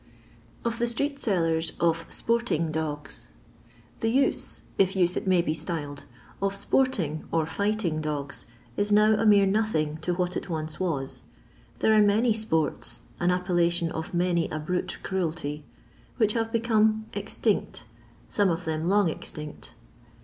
Of the Stkeet Sbllers of Sportiieo Doos. The use, if use it may be styled, of sporting, or fighting dogs, is now a mere nothing to what it once was. There are many sports — an appellation of many a brute cruelty — which have become ex tinct, some of them long extinct.